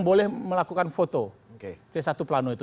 boleh melakukan foto c satu plano itu